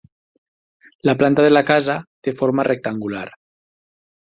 La planta de la casa té forma rectangular.